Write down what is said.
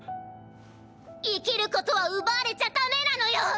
生きることはうばわれちゃだめなのよ！